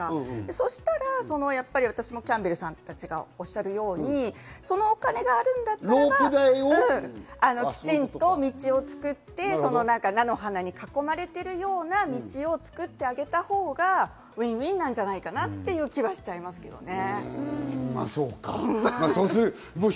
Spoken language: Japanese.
そしたら私もキャンベルさんたちがおっしゃるようにそのお金があるんだったらばロープ代を、きちんと道を作って菜の花に囲まれてるような道を作ってあげたほうがウィンウィンなんじゃないかなっていう気はしちゃいますね。